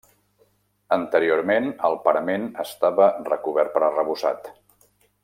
Anteriorment el parament estava recobert per arrebossat.